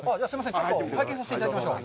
ちょっと拝見させていただきましょう。